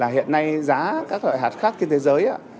hiện nay giá các loại hạt khác trên thế giới